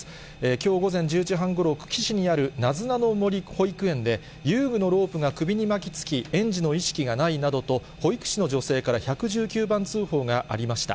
きょう午前１０時半ごろ、久喜市にあるなずなの森保育園で、遊具のロープが首に巻きつき、園児の意識がないなどと、保育士の女性から１１９番通報がありました。